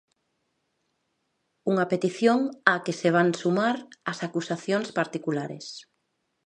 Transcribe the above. Unha petición á que se van sumar as acusacións particulares.